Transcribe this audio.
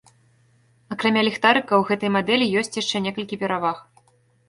Акрамя ліхтарыка, у гэтай мадэлі ёсць яшчэ некалькі пераваг.